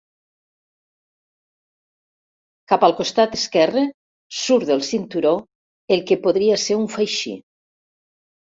Cap al costat esquerre surt del cinturó el que podria ser un faixí.